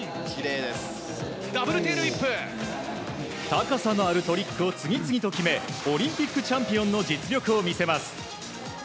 高さのあるトリックを次々と決めオリンピックチャンピオンの実力を見せます。